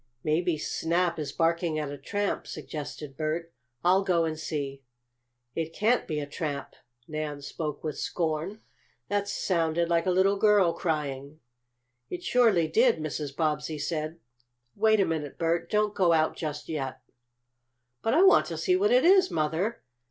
"Maybe Snap is barking at a tramp," suggested Bert. "I'll go and see." "It can't be a tramp!" Nan spoke with scorn. "That sounded like a little girl crying." "It surely did," Mrs. Bobbsey said. "Wait a minute, Bert. Don't go out just yet." "But I want to see what it is, Mother!"